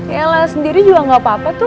ella sendiri juga gak apa apa tuh